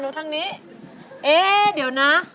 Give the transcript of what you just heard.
สวัสดีครับ